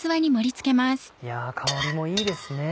香りもいいですね。